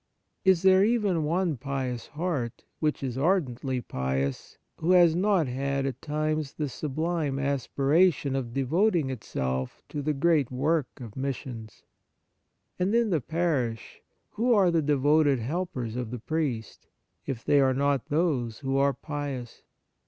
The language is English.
Is there even one pious heart, which is ardently pious, who has not had at times the sublime aspiration of devoting itself to the great work of missions ? And, in the parish, who are the devoted helpers of the priest, if they are not those who are pious